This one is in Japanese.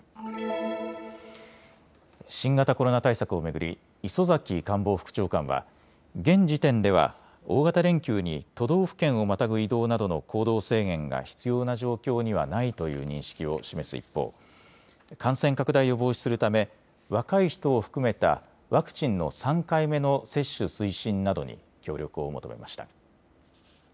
新型コロナ対策を巡り磯崎官房副長官は現時点では大型連休に都道府県をまたぐ移動などの行動制限が必要な状況にはないという認識を示す一方、感染拡大を防止するため若い人を含めたワクチンの３回目の接種推進などに協力を求めました。